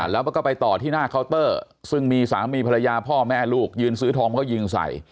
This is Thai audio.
แล้วก็ไปต่อที่หน้าเคาน์เตอร์ซึ่งมีสามีภรรยาพ่อแม่ลูกยืนซื้อทองเขายิงใส่